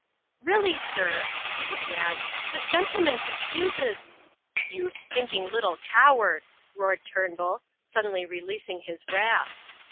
"Really, sir," he began, "this gentleman confuses..." "You stinking little coward," roared Turnbull, suddenly releasing his wrath.